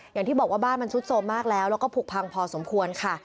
อย่างที่บอกว่าบ้านมันซุดโทรมมากแล้วแล้วก็ผูกพังพอสมควรค่ะ